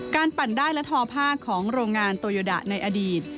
ปั่นได้และทอผ้าของโรงงานโตโยดะในอดีต